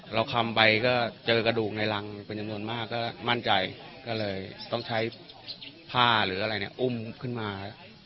คำไปก็เจอกระดูกในรังเป็นจำนวนมากก็มั่นใจก็เลยต้องใช้ผ้าหรืออะไรเนี่ยอุ้มขึ้นมา